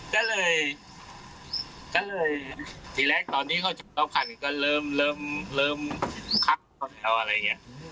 ก็เลยทีแรกตอนนี้เขาจะรอบคันก็เริ่มคักต่อแถวอะไรอย่างนี้